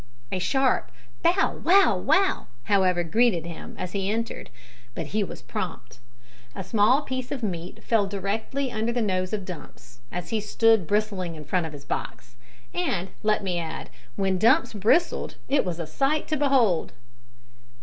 A sharp bow! wow! wow! however, greeted him as he entered, but he was prompt. A small piece of meat fell directly under the nose of Dumps, as he stood bristling in front of his box; and, let me add, when Dumps bristled it was a sight to behold!